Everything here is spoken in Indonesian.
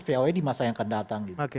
voi di masa yang akan datang